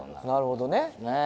なるほどね。